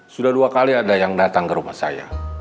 sudah dua kali ada yang datang ke rumah saya